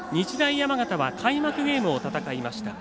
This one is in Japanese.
山形は開幕ゲームを戦いました。